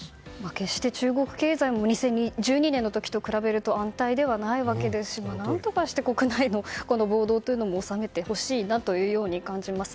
決して中国経済も２０１２年の時と比べると安泰ではないわけですし何とかして国内の暴動も収めてほしいなと感じます。